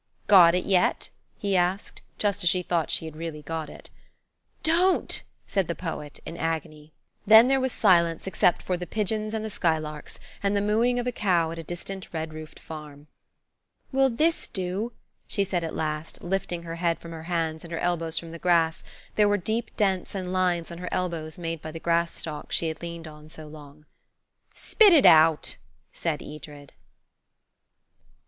"Got it yet?" he asked, just as she thought she really had got it. "Don't!" said the poet, in agony. Then there was silence, except for the pigeons and the skylarks, and the mooing of a cow at a distant red roofed farm. "Will this do?" she said at last, lifting her head from her hands and her elbows from the grass; there were deep dents and lines on her elbows made by the grass stalks she had leaned on so long. "Spit it out," said Edred.